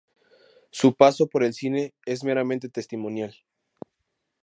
Su paso por el cine es meramente testimonial.